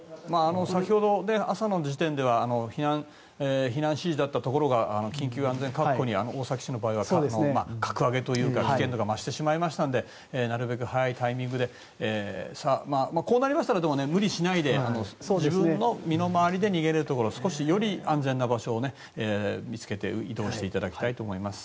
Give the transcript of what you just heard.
先ほど朝の時点では避難指示だったところが緊急安全確保に大崎市の場合は格上げというか危険度が増してしまいましたのでなるべく早いタイミングでこうなりましたら無理しないで自分の身の回りで逃げれるところより安全な場所を見つけて移動していただきたいと思います。